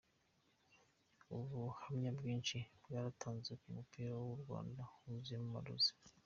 Ubuhamya bwinshi bwaratanzwe ko umupira w’u Rwanda wuzuyemo amarozi.